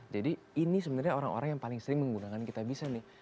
jadi ini sebenarnya orang orang yang paling sering menggunakan kitabisa nih